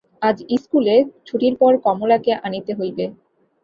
আজ ইস্কুলে ছুটির পর কমলাকে আনিতে হইবে।